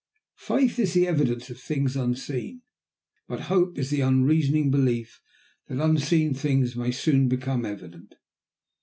Faith is the evidence of things unseen, but hope is the unreasoning belief that unseen things may soon become evident.